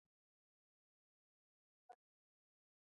هغه د خپل کار په بدل کې مزد ترلاسه کوي